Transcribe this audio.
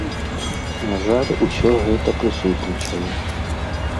На жаль, усё гэта прысутнічае.